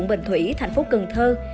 ở thành phố cần thơ